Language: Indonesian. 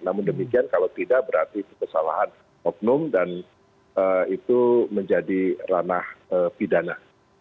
namun demikian kalau tidak berarti itu kesalahan oknum dan itu menjadi ranah pidana